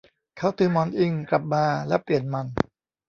เขาถือหมอนอิงกลับมาแล้วเปลี่ยนมัน